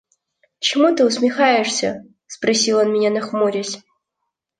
– Чему ты усмехаешься? – спросил он меня нахмурясь.